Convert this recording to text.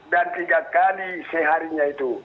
dan tiga kali seharinya itu